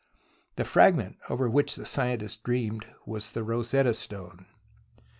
The fragment over which the scientist dreamed was the Rosetta Stone.